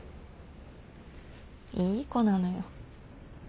いい子なのよ。